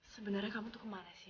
sebenernya kamu tuh kemana sih mil